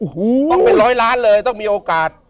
ต้องไป๑๐๐ล้านเลยต้องมีโอกาส